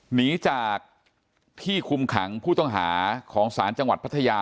หนีจากที่คุมขังผู้ต้องหาของศาลจังหวัดพัทยา